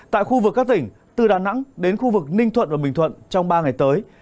tại khu vực các tỉnh từ đà nẵng đến khu vực ninh thuận và bình thuận trong ba ngày tới